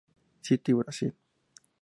City Brazil